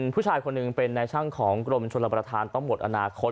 ผู้ชายคนหนึ่งเป็นนายช่างของกรมชนประธานต้องหมดอนาคต